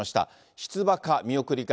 出馬か、見送りか。